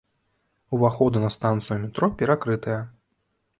Уваходы на станцыю метро перакрытыя.